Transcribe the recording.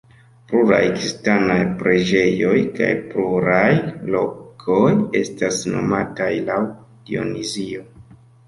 Pluraj kristanaj preĝejoj kaj pluraj lokoj estas nomataj laŭ Dionizio.